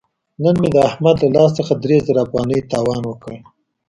نن مې د احمد له لاس څخه درې زره افغانۍ تاوان وکړ.